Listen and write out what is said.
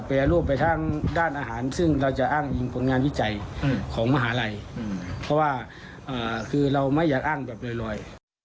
เป็นงานวิจัยของมหาลัยเพราะว่าคือเราไม่อยากอ้างแบบโลย